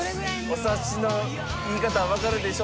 お察しのいい方はわかるでしょう！